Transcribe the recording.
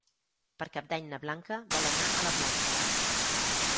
Per Cap d'Any na Blanca vol anar a la platja.